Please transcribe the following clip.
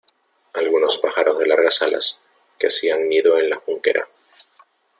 algunos pájaros de largas alas, que hacían nido en la junquera ,